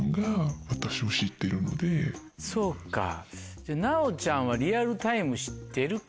そうかじゃあ奈央ちゃんはリアルタイム知ってるかな？